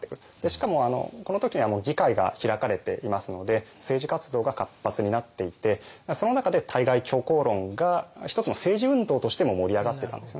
しかもこの時にはもう議会が開かれていますので政治活動が活発になっていてその中で対外強硬論が一つの政治運動としても盛り上がってたんですよね。